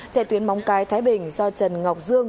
chạy tuyến móng cái thái bình do trần ngọc dương